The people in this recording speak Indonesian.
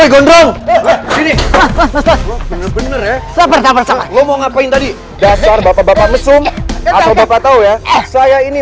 gondrong bener bener ya lo mau ngapain tadi dasar bapak bapak mesum atau bapak tahu ya saya ini